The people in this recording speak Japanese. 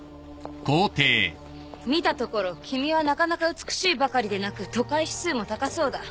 見たところ君はなかなか美しいばかりでなく都会指数も高そうだ。